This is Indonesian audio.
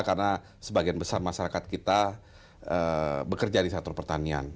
karena sebagian besar masyarakat kita bekerja di sektor pertanian